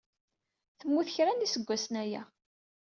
Temmut kra n yiseggasen aya.